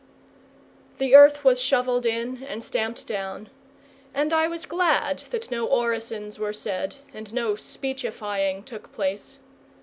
The earth was shovelled in and stamped down, and I was glad that no orisons were said and no speechifying took place.